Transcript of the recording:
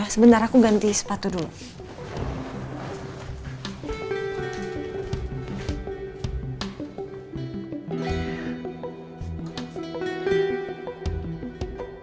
sebentar aku ganti sepatu dulu